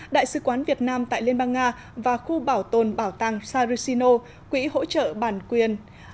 đại sứ quán việt nam tại liên bang nga và khu bảo tồn bảo tàng sarasino quỹ hỗ trợ bản quyền